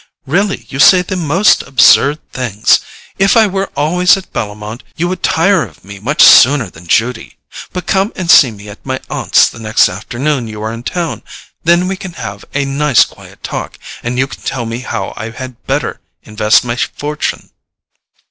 Really, you say the most absurd things! If I were always at Bellomont you would tire of me much sooner than Judy—but come and see me at my aunt's the next afternoon you are in town; then we can have a nice quiet talk, and you can tell me how I had better invest my fortune."